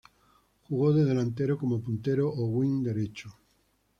Jugó de delantero como puntero o wing derecho.